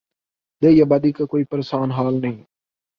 دیہی آبادی کا کوئی پرسان حال نہیں۔